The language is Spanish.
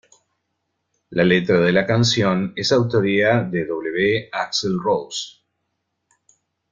La letra de la canción es autoría de W. Axl Rose.